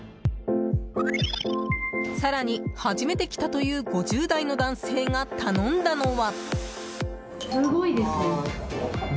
更に、初めて来たという５０代の男性が頼んだのは。